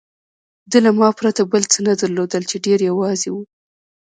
ده له ما پرته بل څه نه درلودل، چې ډېر یوازې و.